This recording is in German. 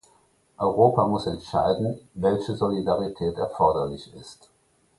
Europa muss entscheiden, welche Solidarität erforderlich ist.